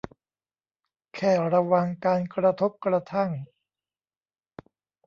แค่ระวังการกระทบกระทั่ง